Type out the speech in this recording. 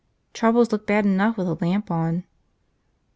Troubles looked bad enough with a lamp on.